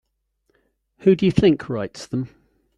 Who do you think writes them?